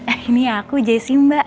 eh ini aku jessi mbak